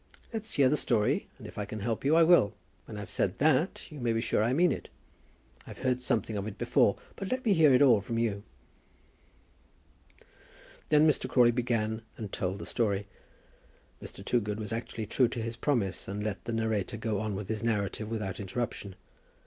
Let's hear the story, and if I can help you I will. When I've said that, you may be sure I mean it. I've heard something of it before; but let me hear it all from you." Then Mr. Crawley began and told the story. Mr. Toogood was actually true to his promise and let the narrator go on with his narrative without interruption.